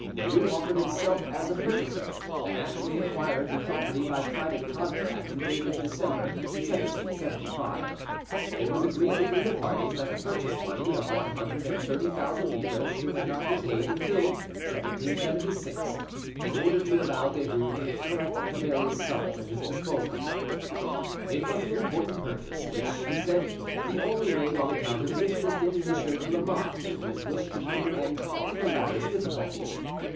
Derues offered himself as a purchaser, and actually acquired the property by private contract, dated December, 1775. It was agreed between the parties that the purchase money of one hundred and thirty thousand livres should not be paid until 1776, in order to allow Derues to collect the various sums at his disposal. It was an important purchase, which, he said, he only made on account of his interest in Monsieur de Lamotte, and his wish to put an end to the latter's difficulties.